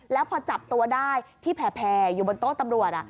แล้วพอจับตัวได้ที่แผ่อยู่บนโต๊ะตำรวจ